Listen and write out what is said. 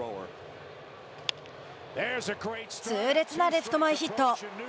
痛烈なレフト前ヒット。